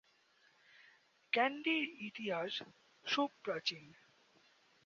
ক্যান্ডির ইতিহাস সুপ্রাচীন।